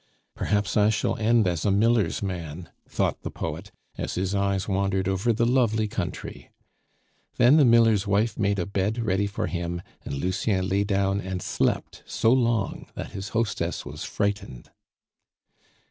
"Perhaps I shall end as a miller's man," thought the poet, as his eyes wandered over the lovely country. Then the miller's wife made a bed ready for him, and Lucien lay down and slept so long that his hostess was frightened.